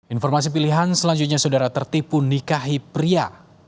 informasi pilihan selanjutnya saudara tertipu nikahi pria